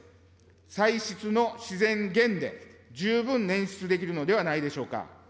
歳出の自然減で十分捻出できるのではないでしょうか。